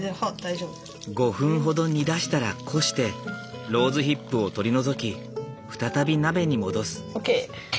５分ほど煮出したらこしてローズヒップを取り除き再び鍋に戻す。ＯＫ！